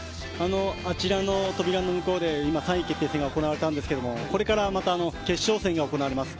あちらの扉の向こうで今、３位決定戦が行われたんですけれどもこれからまた決勝戦が行われます。